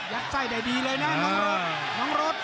ยักษ์ไส้ได้ดีเลยนะน้องรถ